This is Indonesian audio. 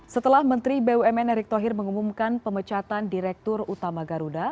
setelah menteri bumn erick thohir mengumumkan pemecatan direktur utama garuda